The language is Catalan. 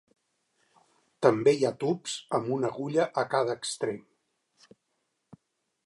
També hi ha tubs amb una agulla a cada extrem.